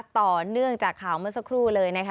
ต่อเนื่องจากข่าวเมื่อสักครู่เลยนะคะ